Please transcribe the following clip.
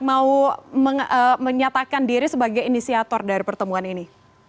mau menyatakan diri sebagai inisiator dari pertemuan ini